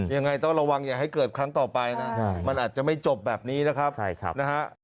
ยังไงต้องระวังอย่าให้เกิดครั้งต่อไปนะมันอาจจะไม่จบแบบนี้นะครับนะฮะ